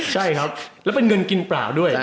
ใช่ครับแล้วเป็นเงินกินเปล่าด้วย